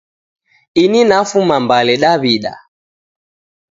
Ini nafuma Mbale Dawida